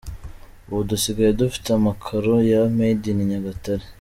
Ubu dusigaye dufite amakaro ya ‘Made in Nyagatare’.